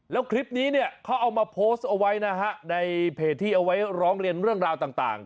แล้วคลิปนี้เนี่ยเขาเอามาโพสต์เอาไว้นะฮะในเพจที่เอาไว้ร้องเรียนเรื่องราวต่าง